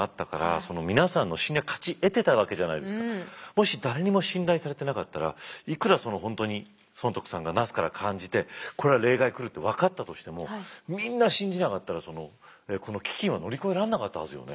しかももし誰にも信頼されてなかったらいくら本当に尊徳さんがなすから感じてこれは冷害来るって分かったとしてもみんな信じなかったらこの飢きんは乗り越えられなかったはずよね。